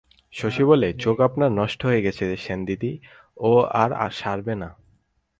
শশী বলে, চোখ আপনার নষ্ট হয়ে গেছে সেনদিদি, ও আর সারবে না।